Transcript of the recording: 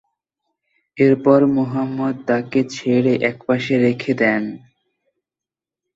এরপর মুহাম্মদ তাকে ছেড়ে একপাশে রেখে দেন।